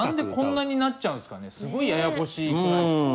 すごいややこしくないですか。